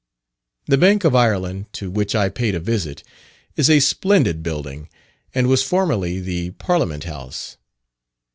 The Bank of Ireland, to which I paid a visit, is a splendid building, and was formerly the Parliament House.